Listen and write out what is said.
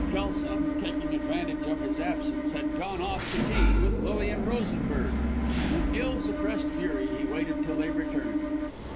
Kelson, taking advantage of his absence, had gone off to tea with Lilian Rosenberg. In ill suppressed fury, he waited till they returned.